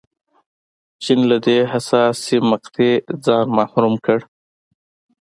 چین له دې حساسې مقطعې ځان محروم کړ.